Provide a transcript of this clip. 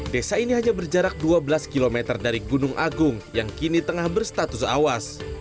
desa ini hanya berjarak dua belas km dari gunung agung yang kini tengah berstatus awas